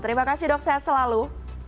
terima kasih dok sehat selalu